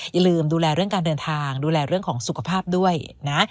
อย่าลืมดูแลเรื่องการเดินทางดูแลเรื่องของสุขภาพด้วยนะ